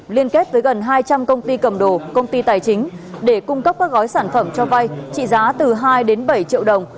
liên kết với gần hai trăm linh công ty cầm đồ công ty tài chính để cung cấp các gói sản phẩm cho vay trị giá từ hai đến bảy triệu đồng